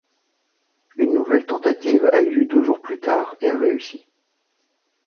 Une nouvelle tentative a eu lieu deux jours plus tard et a réussi.